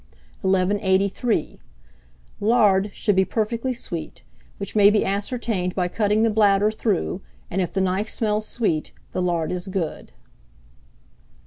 1183. Lard should be perfectly sweet, which may be ascertained by cutting the bladder through, and, if the knife smells sweet, the lard is good.